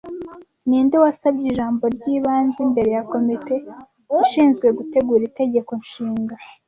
Ninde wasabye Ijambo ry'ibanze imbere ya Komite ishinzwe gutegura Itegeko Nshinga